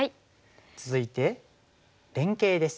続いて連携です。